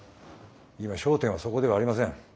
今焦点はそこではありません。